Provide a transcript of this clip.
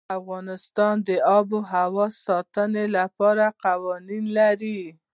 افغانستان د آب وهوا د ساتنې لپاره قوانین لري.